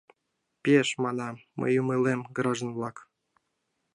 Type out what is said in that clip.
— Пеш, манам, мый умылем, граждан-влак.